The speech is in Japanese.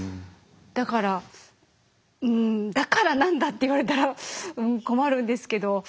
だからうんだから何だって言われたら困るんですけど。